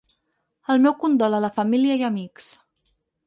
El meu condol a la família i amics.